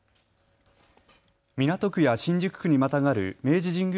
港区や新宿区にまたがる明治神宮